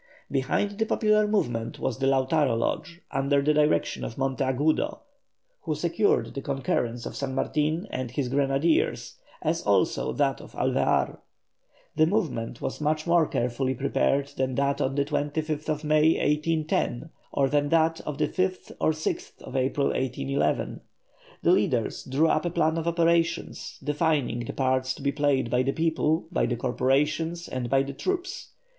Behind the popular movement was the Lautaro Lodge under the direction of Monteagudo, who secured the concurrence of San Martin and his grenadiers, as also that of Alvear. This movement was much more carefully prepared than that of the 25th May, 1810, or than that of the 5th and 6th April, 1811. The leaders drew up a plan of operations, defining the parts to be played by the people, by the corporations, and by the troops.